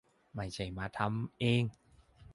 ไม่ใช่มาทำเอง